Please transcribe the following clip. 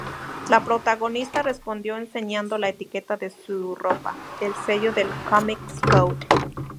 La protagonista respondió enseñando la etiqueta de su ropa: el sello del Comics Code.